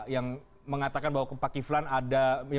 yang mengatakan bahwa pak kiflan ada